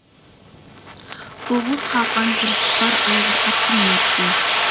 ئوغۇز خاقان بىر چىپار ئايغىر ئاتقا مىنەتتى.